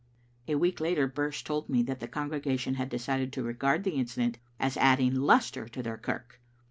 '" A week later Birse told me that the congregation had decided to regard the incident as adding lustre to their kirk.